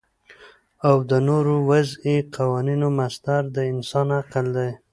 او د نورو وضعی قوانینو مصدر د انسان عقل دی